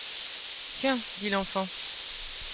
Tiens ! dit l’enfant.